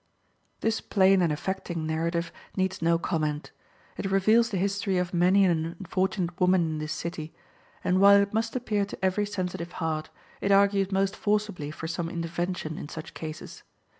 This plain and affecting narrative needs no comment. It reveals the history of many an unfortunate woman in this city, and while it must appeal to every sensitive heart, it argues most forcibly for some intervention in such cases.